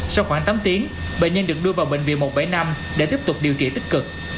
sau khoảng tám tiếng bệnh nhân được đưa vào bệnh viện một trăm bảy mươi năm để tiếp tục điều trị tích cực